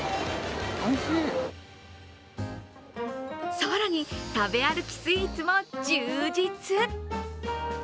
更に食べ歩きスイーツも充実。